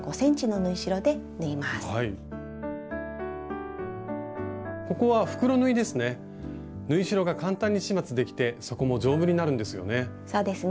縫い代が簡単に始末できて底も丈夫になるんですよね。